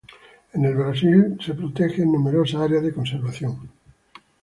En el Brasil es protegida en numerosas áreas de conservación.